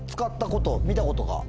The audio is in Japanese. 見たことが？